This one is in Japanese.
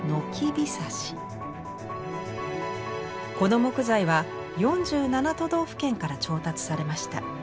この木材は４７都道府県から調達されました。